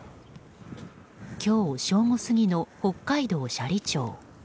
今日正午過ぎの北海道斜里町。